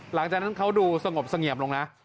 หลังจากนั้นเขาดูสงบเสงี่ยมลงนะ